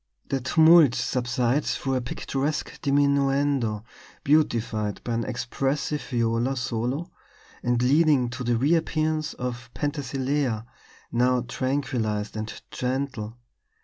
The tumult subsides through a picturesque diminuendo, beautified by an expressive viola solo and leading to the reappearance of Penthesilea, now tranquillized and gentle.